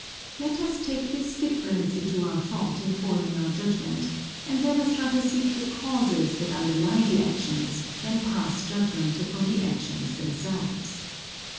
Let us take this difference into our thought in forming our judgment, and let us rather seek the causes that underlie the actions than pass judgment upon the actions themselves.